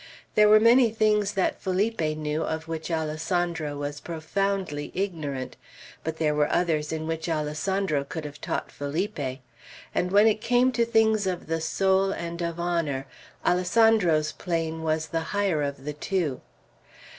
There were many things that Felipe knew, of which Alessandro was profoundly ignorant; but there were others in which Alessandro could have taught Felipe; and when it came to the things of the soul, and of honor, Alessandro's plane was the higher of the two.